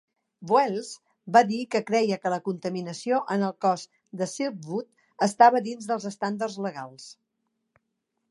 Voelz va dir que creia que la contaminació en el cos de Silkwood estava dins dels estàndards legals.